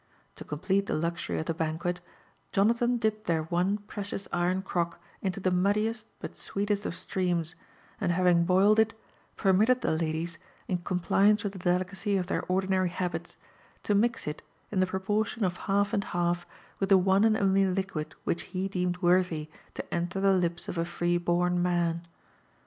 To complete the luxury of the banquet, lonathat) dipped their one precious iron crock into the muddiest but sweetest of streams, and having boiled it, permitted the ladies, in cfkn ^ pliance with the delicacy of their ordinary habits, to mix it, in the pro portion of half and half, with the one and only liquid which he deemed j worthy to enter the lips of a free born man.